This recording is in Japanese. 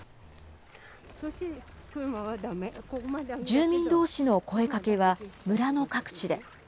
住民どうしの声かけは村の各地で。